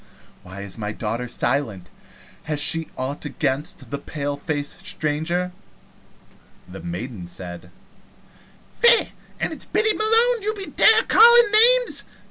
Why is my daughter silent? Has she ought against the paleface stranger?" The maiden said: "Faix, an' is it Biddy Malone ye dare to be callin' names?